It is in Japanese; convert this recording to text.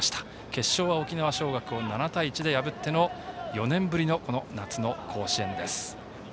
決勝は沖縄尚学を７対１で破って４年ぶりの夏の甲子園です。